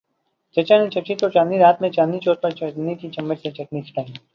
چچا نے چچی کو چاندنی رات میں چاندنی چوک پر چاندی کے چمچ سے چٹنی چٹائ۔